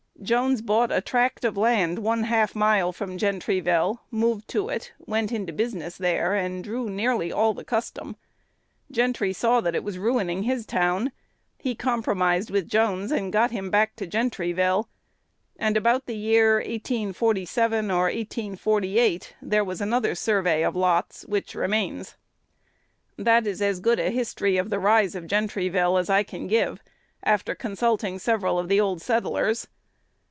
Jones bought a tract of land one half mile from Gentryville, moved to it, went into business there, and drew nearly all the custom. Gentry saw that it was ruining his town: he compromised with Jones, and got him back to Gentryville; and about the year 1847 or 1848 there was another survey of lots, which remains. "This is as good a history of the rise of Gentryville as I can give, after consulting several of the old settlers.